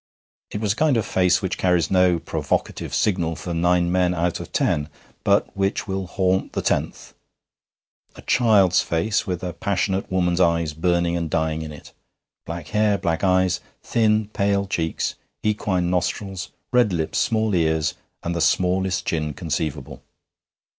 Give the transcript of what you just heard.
It was a kind of face which carries no provocative signal for nine men out of ten, but which will haunt the tenth: a child's face with a passionate woman's eyes burning and dying in it black hair, black eyes, thin pale cheeks, equine nostrils, red lips, small ears, and the smallest chin conceivable.